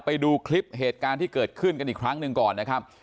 ไปดูคลิปเหตุการณ์ที่เกิดขึ้นกันอีกครั้งหนึ่งก่อนนะครับ